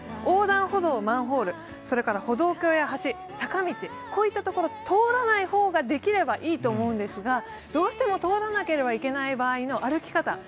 横断歩道、マンホール、歩道橋や橋、坂道などは通らない方ができればいいと思うんですが、どうしても取らなければいけない場合の歩き方。